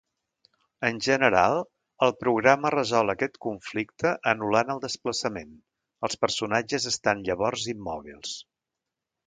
En general, el programa resol aquest conflicte anul·lant el desplaçament; els personatges estan llavors immòbils.